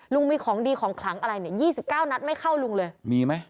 ลุงมีของดีของขลังอะไรเนี่ย๒๙นัดไม่เข้าลุงเลยมีไหม